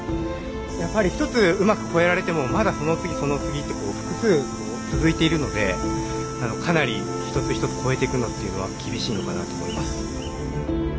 やっぱり一つうまく越えられてもまだその次その次って複数続いているのでかなり一つ一つ越えていくのっていうのは厳しいのかなと思います。